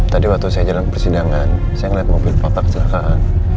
tadi waktu saya jalan persidangan saya ngeliat mobil voter kecelakaan